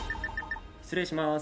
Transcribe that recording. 失礼します。